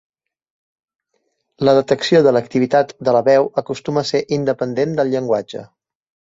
La detecció de l'activitat de la veu acostuma a ser independent del llenguatge.